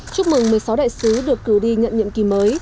chúc mừng một mươi sáu đại sứ được cử đi nhận nhiệm kỳ mới